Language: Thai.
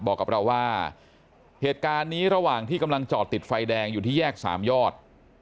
บอกกับเราว่าเหตุการณ์นี้ระหว่างที่กำลังจอดติดไฟแดงอยู่ที่แยกสามยอด